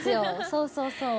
そうそうそう。